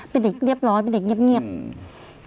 เป็นเด็กเรียบร้อยเป็นเด็กเงียบเงียบอืม